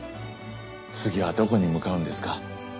次はどこに向かうんですか？